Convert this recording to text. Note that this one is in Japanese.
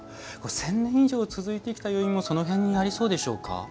１０００年以上続いてきた要因もその辺りにありそうでしょうか。